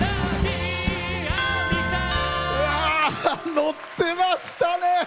のってましたね！